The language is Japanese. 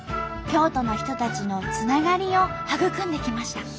京都の人たちのつながりを育んできました。